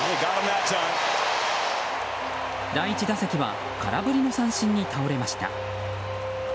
第１打席は空振りの三振に倒れました。